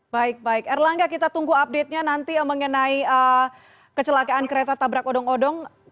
baik baik erlangga kita tunggu update nya nanti mengenai kecelakaan kereta tabrak odong odong